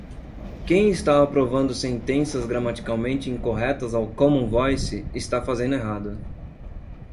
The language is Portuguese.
Quem está aprovando sentenças gramaticalmente incorretas ao Common Voice, está fazendo errado.